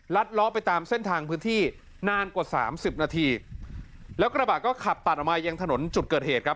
ล้อไปตามเส้นทางพื้นที่นานกว่าสามสิบนาทีแล้วกระบะก็ขับตัดออกมายังถนนจุดเกิดเหตุครับ